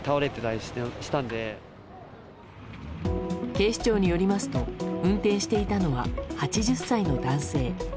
警視庁によりますと運転していたのは８０歳の男性。